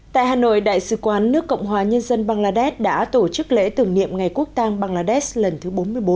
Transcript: tại hà nội đại sứ quán nước cộng hòa nhân dân bangladesh đã tổ chức lễ tưởng niệm ngày quốc tàng bangladesh lần thứ bốn mươi bốn